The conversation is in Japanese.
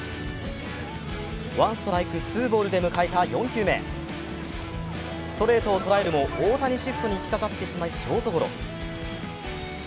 １ストライク２ボールで迎えた４球目ストレートをとらえるも大谷シフトに引っ掛かってしまい、ショートゴロ。